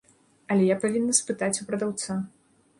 Але я павінна спытаць у прадаўца.